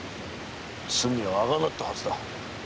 罪はあがなったはずだ。